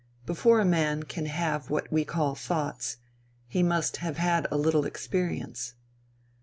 Before a man can have what we call thoughts, he must have had a little experience.